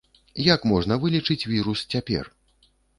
Як можна вылічыць вірус цяпер?